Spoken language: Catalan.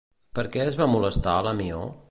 Per què es va molestar la Mió?